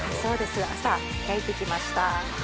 朝焼いてきました。